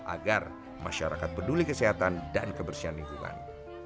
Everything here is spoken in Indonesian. agar masyarakat peduli kesehatan dan kebersihan lingkungan